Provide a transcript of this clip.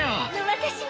私も。